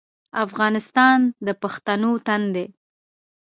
افغانستان د پښتنو تن دی